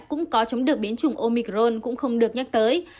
cũng có chống được biến chủng omicron cũng không được nhắc tới